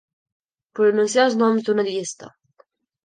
Pronunciar els noms d'una llista.